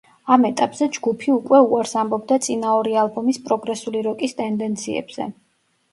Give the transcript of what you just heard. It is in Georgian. ამ ეტაპზე ჯგუფი უკვე უარს ამბობდა წინა ორი ალბომის პროგრესული როკის ტენდენციებზე.